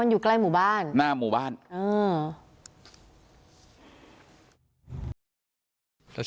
อยู่ใกล้หมู่บ้านครับ